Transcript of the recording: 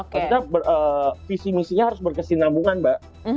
karena visi visinya harus berkesinambungan mbak